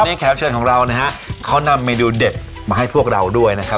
วันนี้แขกเชิญของเรานะฮะเขานำเมนูเด็ดมาให้พวกเราด้วยนะครับ